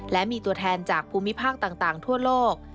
และมีตัวแทนจากภูมิภาคต่างทั่วโลก